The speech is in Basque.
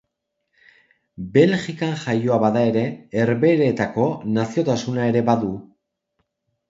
Belgikan jaioa bada ere, Herbeheretako naziotasuna ere badu.